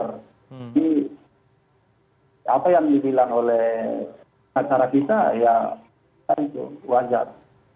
jadi apa yang dibilang oleh pasara kita ya itu wajar